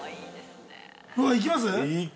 ◆うわっ、いきます！